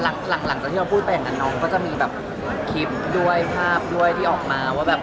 หลังจากที่เราพูดไปอย่างนั้นน้องก็จะมีแบบคลิปด้วยภาพด้วยที่ออกมาว่าแบบ